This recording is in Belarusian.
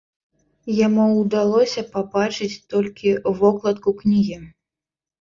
Яму ўдалося пабачыць толькі вокладку кнігі.